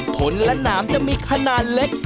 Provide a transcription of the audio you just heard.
ผลและหนามจะมีขนาดเล็ก